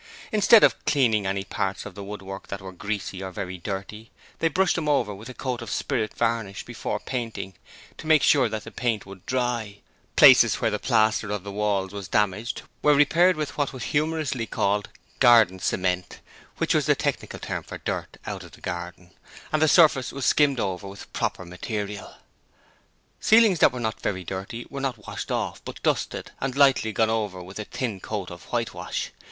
Instead of cleaning any parts of the woodwork that were greasy or very dirty, they brushed them over with a coat of spirit varnish before painting to make sure that the paint would dry: places where the plaster of the walls was damaged were repaired with what was humorously called 'garden cement' which was the technical term for dirt out of the garden and the surface was skimmed over with proper material. Ceilings that were not very dirty were not washed off, but dusted, and lightly gone over with a thin coat of whitewash.